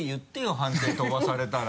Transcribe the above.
判定飛ばされたら。